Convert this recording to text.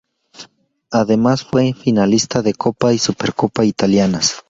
Además, fue finalista de Copa y Supercopa italianas.